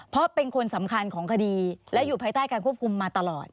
เพราะเป็นคนสำคัญของคดีและอยู่ภายใต้การควบคุมมาตลอด